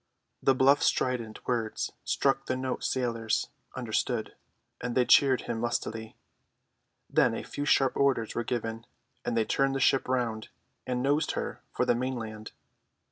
The bluff strident words struck the note sailors understood, and they cheered him lustily. Then a few sharp orders were given, and they turned the ship round, and nosed her for the mainland.